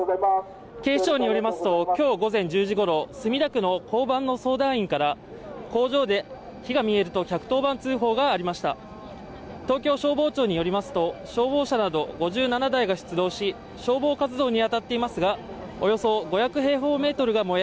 警視庁によりますときょう午前１０時ごろ墨田区の交番の相談員から工場で火が見えると１１０番通報がありました東京消防庁によりますと消防車など５７台が出動し消防活動にあたっていますがおよそ５００平方メートルが燃え